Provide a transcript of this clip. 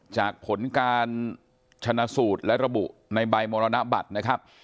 จากผลการชนะสูตรและระบุในใบมรณบัตรนะครับ